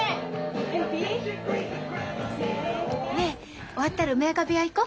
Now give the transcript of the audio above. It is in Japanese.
ねえ終わったら梅若部屋行こう！